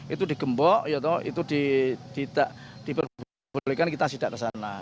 itu diperbolehkan kita tidak ke sana